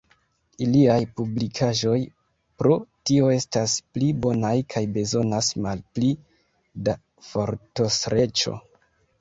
Iliaj publikaĵoj pro tio estas pli bonaj kaj bezonas malpli da fortostreĉo.